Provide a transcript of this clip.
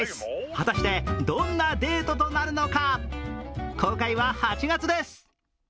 果たしてどんなデートとなるのか公開は８月です。